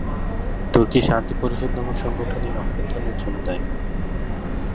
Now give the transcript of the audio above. তুর্কি শান্তি পরিষদ নামক সংগঠন এই অভ্যুত্থানের জন্য দায়ী।